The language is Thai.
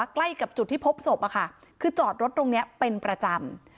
ใกล้กับจุดที่พบศพคือจอดรถตรงนี้เป็นประจำ